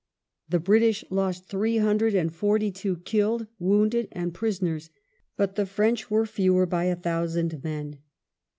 The British lost three hundred and forty two killed, wounded, and prisoners, but the French were fewer by a thousand men.